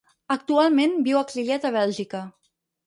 Actualment viu exiliat a Bèlgica.